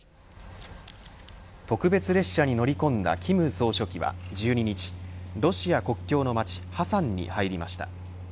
特別列車に乗り込んだ金総書記は１２日ロシア国境の街ハサンに入りました。